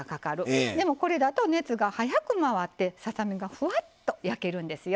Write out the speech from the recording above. でもこれだと熱が早く回ってささ身がふわっと焼けるんですよ。